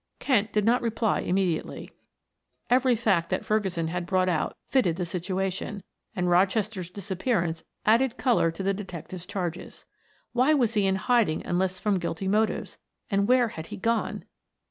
Kent did not reply immediately. Every fact that Ferguson had brought out fitted the situation, and Rochester's disappearance added color to the detective's charges. Why was he hiding unless from guilty motives, and where had he gone?